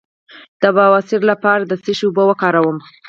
د بواسیر لپاره د څه شي اوبه وکاروم؟